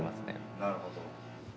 なるほど。